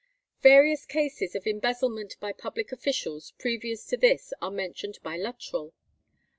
Various cases of embezzlement by public officials previous to this are mentioned by Luttrell.